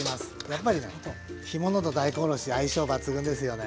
やっぱりね干物と大根おろしは相性抜群ですよね。